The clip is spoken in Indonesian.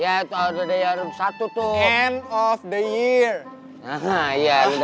yaudah biar gue yang telepon deh